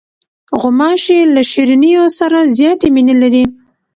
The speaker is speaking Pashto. غوماشې له شیرینیو سره زیاتې مینې لري.